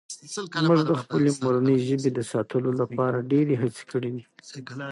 موږ د خپلې مورنۍ ژبې د ساتلو لپاره ډېرې هڅې کړي دي.